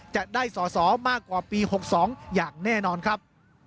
จะได้สอสอมากกว่าปี๖๒อย่างแน่นอนครับ